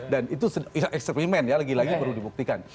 dan itu eksperimen ya lagi lagi perlu dibuktikan